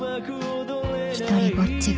独りぼっちが